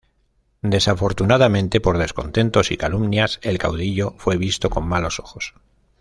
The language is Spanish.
Desafortunadamente por descontentos y calumnias el caudillo fue visto con malos ojos.